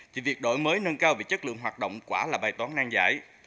thì việc đổi mới nâng cao về chất lượng hoạt động quả là bài toán nang giải